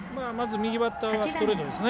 右バッターはストレートですね。